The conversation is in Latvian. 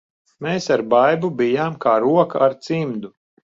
Mēs ar Baibu bijām kā roka ar cimdu.